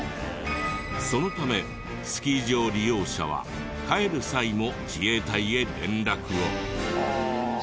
そのためスキー場利用者は帰る際も自衛隊へ連絡を。